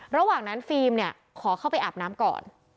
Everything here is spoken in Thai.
ระหว่างนั้นฟิล์มเนี่ยขอเข้าไปอาบน้ำก่อน